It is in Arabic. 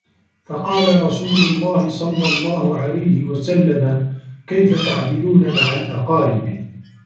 فَقَالَ رَسُولُ اللَّهِ صَلَّى اللَّهُ عَلَيْهِ وَسَلَّمَ كَيْفَ تَعْدِلُونَ مَعَ الْأَقَارِبِ